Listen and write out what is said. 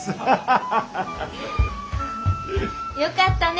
よかったね